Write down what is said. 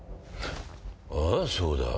ああそうだ。